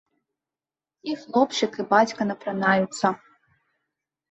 І хлопчык і бацька напранаюцца.